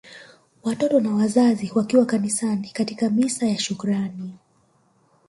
Watoto na Wazazi wakiwa kanisani katika misa ya shukrani